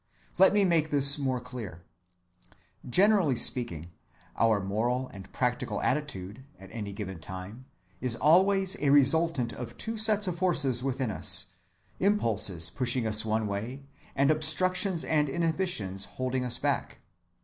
Let me make this more clear. Speaking generally, our moral and practical attitude, at any given time, is always a resultant of two sets of forces within us, impulses pushing us one way and obstructions and inhibitions holding us back.